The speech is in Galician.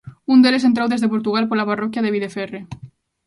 Un deles entrou desde Portugal pola parroquia de Videferre.